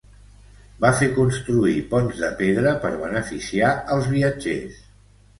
Va fer construir ponts de pedra per beneficiar als viatgers.